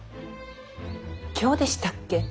今日でしたっけ